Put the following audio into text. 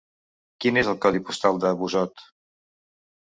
Quin és el codi postal de Busot?